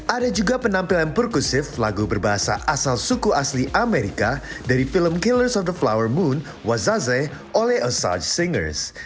ada juga penampilan perklusif lagu berbahasa asal suku asli amerika dari film killers on the flower moon wazaze oleh ashar singers